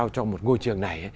trong một ngôi trường này